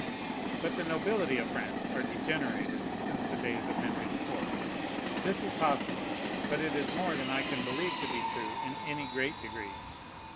But the nobility of France are degenerated since the days of Henry the Fourth. This is possible; but it is more than I can believe to be true in any great degree.